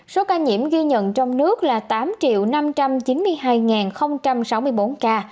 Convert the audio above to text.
số ca nhiễm ghi nhận trong nước là tám năm trăm chín mươi hai sáu mươi bốn ca